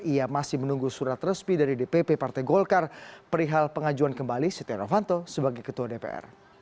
ia masih menunggu surat resmi dari dpp partai golkar perihal pengajuan kembali setia novanto sebagai ketua dpr